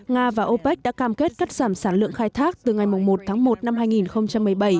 nga và opec đã cam kết cắt giảm sản lượng khai thác từ ngày một tháng một năm hai nghìn một mươi bảy